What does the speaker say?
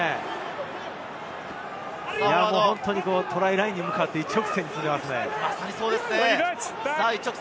トライラインに向かって一直線に進んでいますね。